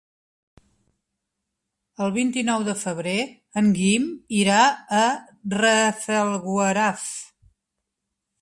El vint-i-nou de febrer en Guim irà a Rafelguaraf.